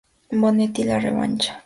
Bonetti, la revancha¨.